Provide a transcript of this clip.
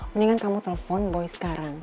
mendingan kamu telpon boy sekarang